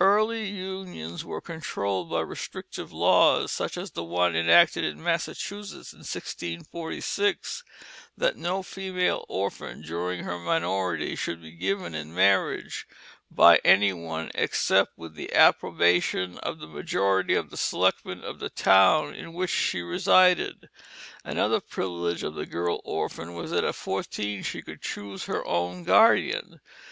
Early unions were controlled by restrictive laws, such as the one enacted in Massachusetts in 1646, that no female orphan during her minority should be given in marriage by any one except with the approbation of the majority of the selectmen of the town in which she resided. Another privilege of the girl orphan was that at fourteen she could choose her own guardian.